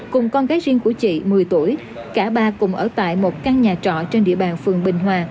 cùng con gái riêng của chị một mươi tuổi cả ba cùng ở tại một căn nhà trọ trên địa bàn phường bình hòa